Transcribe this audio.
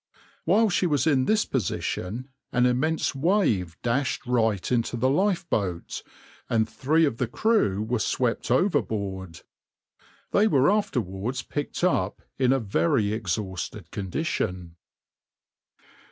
While she was in this position an immense wave dashed right into the lifeboat, and three of the crew were swept overboard. They were afterwards picked up in a very exhausted condition.